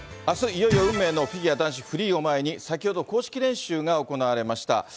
あす、いよいよ運命のフィギュア男子フリーを前に、先ほど、公式練習が行われました。